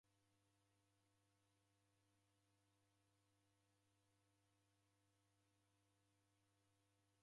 Ngera nifuma ichi kibughi lii chanisira ndighi